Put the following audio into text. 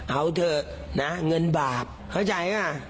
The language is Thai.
เอาเถอะเงินบาปเข้าใจไหม